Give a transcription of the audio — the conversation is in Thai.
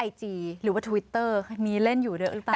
ไอจีหรือว่าทวิตเตอร์มีเล่นอยู่ด้วยหรือเปล่า